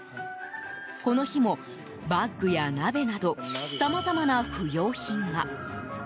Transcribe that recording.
この日もバッグや鍋などさまざまな不用品が。